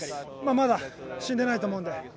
まだ死んでないと思うので。